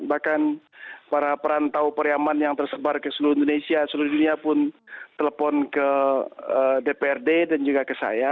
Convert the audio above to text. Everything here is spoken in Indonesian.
bahkan para perantau periaman yang tersebar ke seluruh indonesia seluruh dunia pun telepon ke dprd dan juga ke saya